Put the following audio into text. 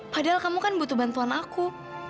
padahal kamu kan butuh bantuan aku